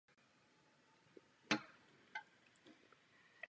Nedaří se nám vnést dost naléhavosti do této diskuse.